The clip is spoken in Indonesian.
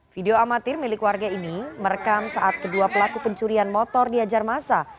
video amatir milik warga ini merekam saat kedua pelaku pencurian motor diajar masa